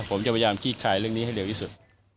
ผมจะพยายามขี้คลายเรื่องนี้ให้เร็วที่สุด